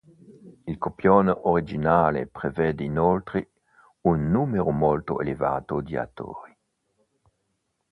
Il copione originale prevede inoltre un numero molto elevato di attori.